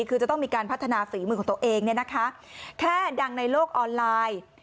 คือจะต้องมีการพัฒนาฝีมือของตัวเองเนี่ยนะคะแค่ดังในโลกออนไลน์